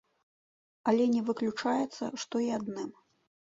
Але не выключаецца, што і адным.